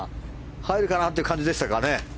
入るかなって感じでしたかね。